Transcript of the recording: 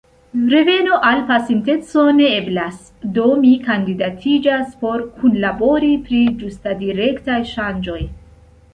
Reveno al pasinteco ne eblas, do mi kandidatiĝas por kunlabori pri ĝustadirektaj ŝanĝoj.